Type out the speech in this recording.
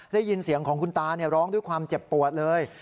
ได้ยินเสียงของคุณตาร้องด้วยความเจ็บปวดเลย